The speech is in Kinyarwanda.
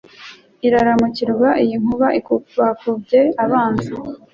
Iraramukirwa iyi Nkuba Ikubakubye abanzi,